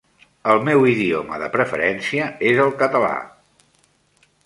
El meu idioma de preferència és el català.